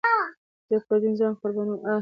زه پر دين ځان قربانوم.